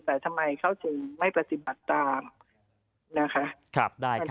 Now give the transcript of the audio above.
แต่ทำไมเขาถึงไม่ประจิบัติตามแนะนะครับครับได้ครับ